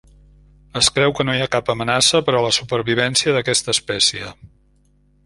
Es creu que no hi ha cap amenaça per a la supervivència d'aquesta espècie.